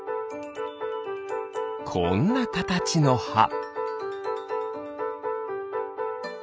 こんなかたちのは。